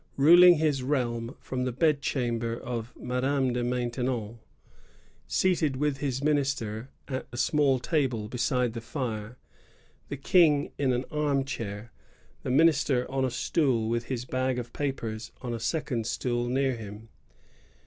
ruling his realm from the bedchamber of Madame de Maintenon, — seated with his minister at a small table beside the fire, the King in an arm chair, the minister on a stool, with his bag of papers on a second stool near him.